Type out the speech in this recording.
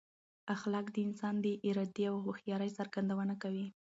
اخلاق د انسان د ارادې او هوښیارۍ څرګندونه کوي.